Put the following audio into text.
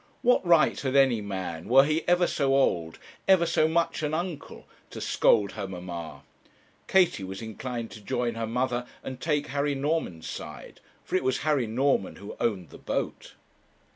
What right had any man, were he ever so old, ever so much an uncle, to scold her mamma? Katie was inclined to join her mother and take Harry Norman's side, for it was Harry Norman who owned the boat.